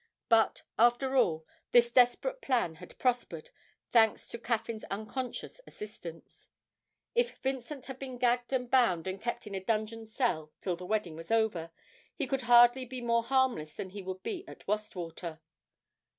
But, after all, this desperate plan had prospered, thanks to Caffyn's unconscious assistance. If Vincent had been gagged and bound and kept in a dungeon cell till the wedding was over, he could hardly be more harmless than he would be at Wastwater.